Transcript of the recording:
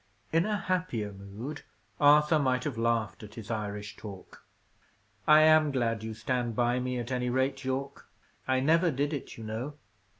In a happier mood, Arthur might have laughed at his Irish talk, "I am glad you stand by me, at any rate, Yorke. I never did it, you know.